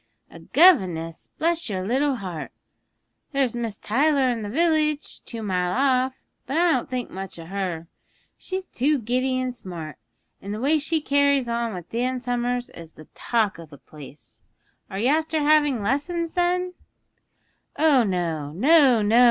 'A guviness, bless your little heart. There's Miss Tyler in the village, two mile off but I don't think much of her. She's too giddy and smart, and the way she carries on with Dan Somers is the talk of the place! Are you after having lessons then?' 'Oh no, no, no!'